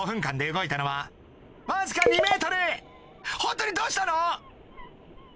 動いたのはわずかホントにどうしたの？